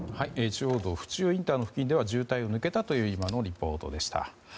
中央道府中インターの付近では渋滞を抜けたという今のリポートでした。